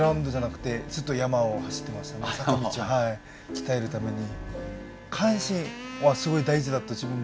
鍛えるために。